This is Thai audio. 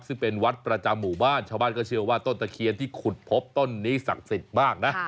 ซึ่งเป็นวัดประจำหมู่บ้านชาวบ้านก็เชื่อว่าต้นตะเคียนที่ขุดพบต้นนี้ศักดิ์สิทธิ์มากนะ